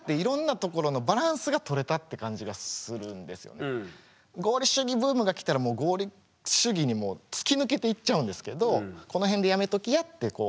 何かだからすごくその合理主義ブームが来たらもう合理主義に突き抜けていっちゃうんですけどこのへんでやめときやってこう。